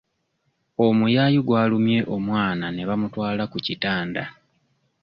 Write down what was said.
Omuyaayu gwalumye omwana ne bamutwala ku kitanda.